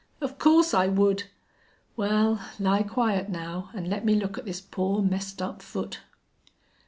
Of course I would!" "Well, lie quiet now, an' let me look at this poor, messed up foot."